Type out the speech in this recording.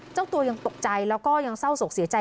เจ้าตัวยังตกใจแล้วก็ยังเศร้าศกเสียใจ